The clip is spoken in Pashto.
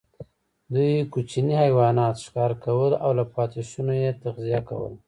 دوی کوچني حیوانات ښکار کول او له پاتېشونو یې تغذیه کوله.